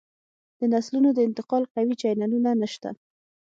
د نسلونو د انتقال قوي چینلونه نشته